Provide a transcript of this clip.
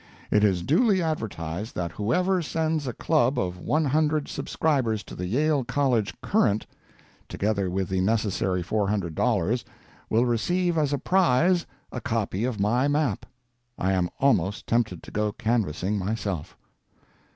It is duly advertised that whoever sends a club of one hundred subscribers to the Yale College "Courant"—together with the necessary four hundred dollars—will receive as a prize a copy of my map! I am almost tempted to go canvassing myself.